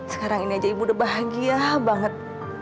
sekarang ini aja ibu udah bahagia banget